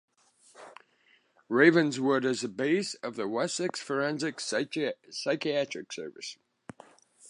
Ravenswood is the base of the Wessex Forensic Psychiatric Service.